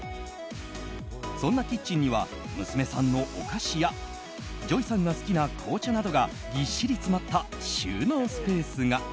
そんなキッチンには娘さんのお菓子やＪＯＹさんが好きな紅茶などがぎっしり詰まった収納スペースが。